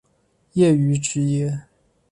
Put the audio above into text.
业余职业